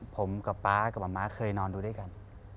ผมกับป๊ากับมะม้าเคยนอนดูด้วยกัน